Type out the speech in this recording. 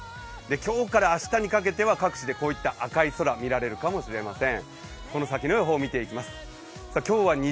今日から明日にかけては各地でこういった赤い空見られるかもしれません。